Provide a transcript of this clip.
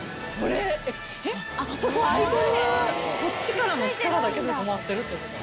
こっちからの力だけで止まってるってこと？